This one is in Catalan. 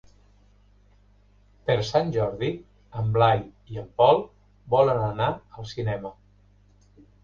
Per Sant Jordi en Blai i en Pol volen anar al cinema.